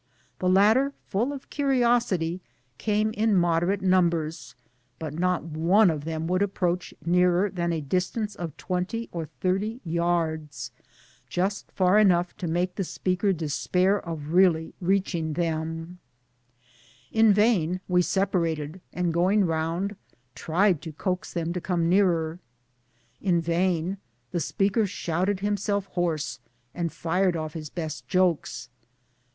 The latter full of curiosity came, in moderate numbers, but not one of them would approach nearer than a distance of twenty or thirty yards just far enough to make the speaker despair of really reaching them ^ In vain we ^separated and going round tried to coax them to come nearer. In vain the speaker shouted him self hoarse and fired off his best jokes.